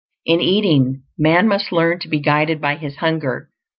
In eating, man must learn to be guided by his hunger.